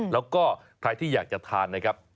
แล้วก็ใครที่อยากจะทานนะครับ